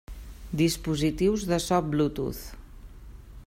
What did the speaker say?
Dispositius de so Bluetooth.